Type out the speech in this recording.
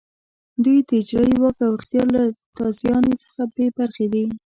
دوی د اجرایې واک او اختیار له تازیاني څخه بې برخې دي.